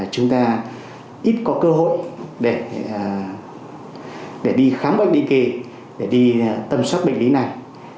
chúng ta ít có cơ hội để đi khám bệnh định kỳ để đi tầm soát bệnh lý này